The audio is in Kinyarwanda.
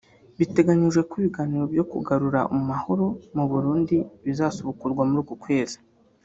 Biteganyijwe ko ibiganiro byo kugarura amahoro mu Burundi bizasubukurwa muri uku kwezi